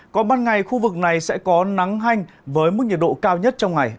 còn ban ngày khu vực này sẽ có nắng hanh với mức nhiệt độ cao nhất trong ngày